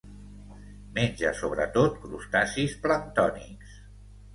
Menja sobretot crustacis planctònics.